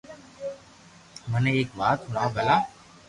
مني ايڪ وات ھڻاو ڀلا